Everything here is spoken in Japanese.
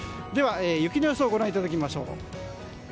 では雪の予想をご覧いただきましょう。